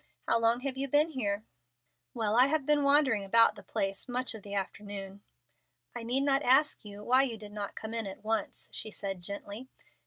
How long have you been here?" "Well, I have been wandering about the place much of the afternoon." "I need not ask you why you did not come in at once," she said, gently.